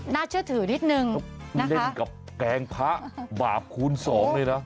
น่าเชื่อถือนิดนึงเล่นกับแกงพระบาปคูณสองเลยนะ